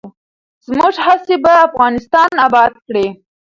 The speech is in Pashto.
زموږ هڅې به افغانستان اباد کړي.